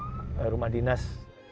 sebelum kembali ke rumah dinas